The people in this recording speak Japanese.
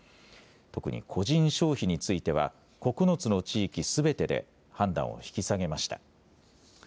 特に個人消費については９つの地域すべてで判断を引き下げました。